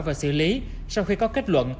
và xử lý sau khi có kết luận